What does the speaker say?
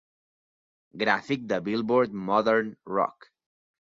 Gràfic de Billboard Modern Rock.